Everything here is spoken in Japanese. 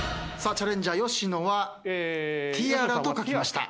チャレンジャー吉野は「ティアラ」と書きました。